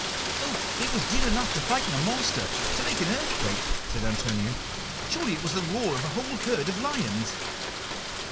"Oh, it was din enough to frighten a monster to make an earthquake!" said Antonio. "Surely it was the roar of a whole herd of lions."